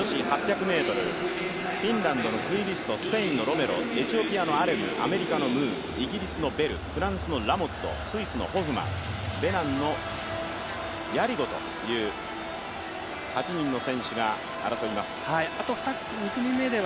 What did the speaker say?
女子８００ｍ、フィンランドのクイビスト、スペインのロメロ、エチオピアのアレム、アメリカのムー、イギリスのベル、フランスのラモット、スイスのホフマン、ベナンのヤリゴ。という８人の選